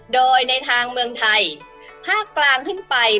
โดยในทางเมืองไทยภาคกลางขึ้นไป